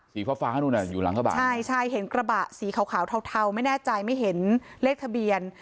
สีฟ้าฟ้านู่นน่ะอยู่หลังกระบะใช่ใช่เห็นกระบะสีขาวเทาไม่แน่ใจไม่เห็นเลขทะเบียน